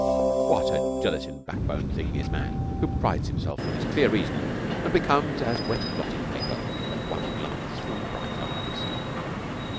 What a gelatine backboned thing is man, who prides himself on his clear reason and becomes as wet blotting paper at one glance from bright eyes!